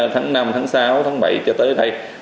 tháng sáu tháng bảy cho tới đây